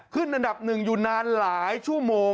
อันดับหนึ่งอยู่นานหลายชั่วโมง